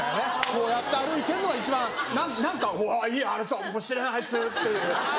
こうやって歩いてるのが一番「何かあいつおもしれぇなあいつ」っていう。